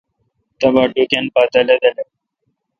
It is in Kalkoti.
تبا ٹُکن پا دلے° دلے°